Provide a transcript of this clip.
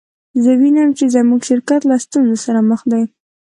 زه وینم چې زموږ شرکت له ستونزو سره مخ دی